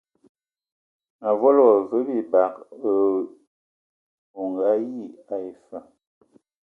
Mǝ volo wa lwi bibag o ayi ai fa.